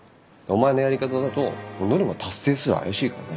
お前のやり方だとノルマ達成すら怪しいからね。